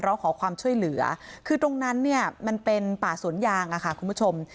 ร้องขอความช่วยเหลือคือตรงนั้นเนี่ยมันเป็นป่าสวนยางอะค่ะคุณผู้ชม